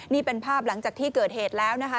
นี่เป็นภาพหลังจากที่เกิดเหตุแล้วนะคะ